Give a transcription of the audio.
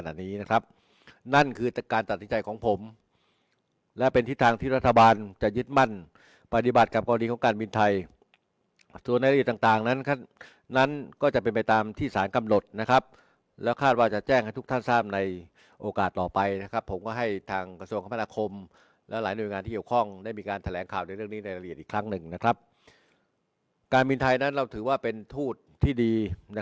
ขนาดนี้นะครับนั่นคือการตัดสินใจของผมและเป็นทิศทางที่รัฐบาลจะยึดมั่นปฏิบัติกับความดีของการบินไทยส่วนในละเอียดต่างนั้นก็จะเป็นไปตามที่สารกำหนดนะครับแล้วคาดว่าจะแจ้งให้ทุกท่านทราบในโอกาสต่อไปนะครับผมก็ให้ทางกระทรวงคมนาคมและหลายโดยงานที่เกี่ยวข้องได้มีการแถลงข่าวในเรื่องนี้ใ